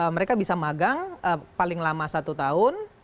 mereka bisa magang paling lama satu tahun